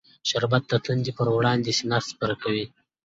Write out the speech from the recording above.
شربت د تندې پر وړاندې سینه سپر کوي